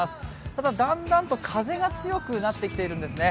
ただ、だんだんと風が強くなってきているんですね。